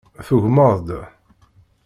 Tugmeḍ-d.